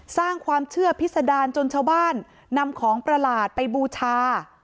สร้างความเชื่อพิษดารจนชาวบ้านนำของประหลาดไปบูชา